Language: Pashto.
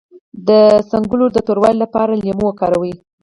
د څنګلو د توروالي لپاره لیمو وکاروئ